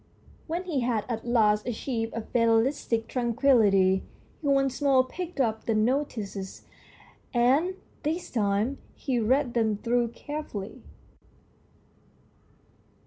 When he had at last achieved a fatalistic tranquillity, he once more picked up the notices, and this time he read them through carefully.